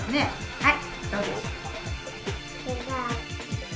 はい。